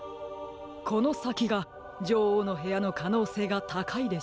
このさきがじょおうのへやのかのうせいがたかいでしょう。